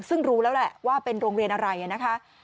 ซึ่งรู้แล้วแหละว่าเป็นโรงเรียนอะไรนะคะ